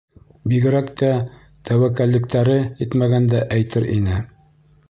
Бигерәк тә тәүәккәллектәре етмәгәндә әйтер ине.